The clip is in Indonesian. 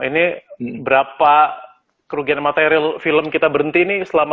ini berapa kerugian material film kita berhenti nih selama